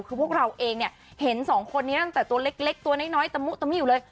คือพวกเราเองเนี่ยเห็นสองคนนี้ตั้งแต่ตัวเล็กตัวน้อยตะมุตะมิ้วเลย